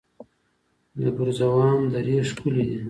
د ګرزوان درې ښکلې دي